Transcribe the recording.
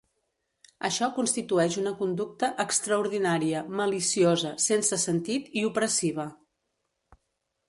Això constitueix una conducta "extraordinària, maliciosa, sense sentit i opressiva.